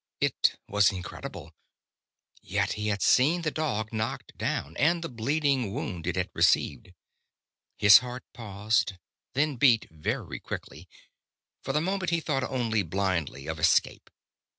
It was incredible ... yet he had seen the dog knocked down, and the bleeding wound it had received. His heart paused, then beat very quickly. For the moment he thought only blindly, of escape.